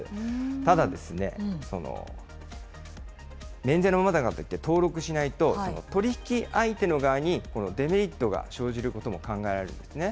ただですね、免税のままで登録しないと、取り引き相手の側にデメリットが生じることも考えられるんですね。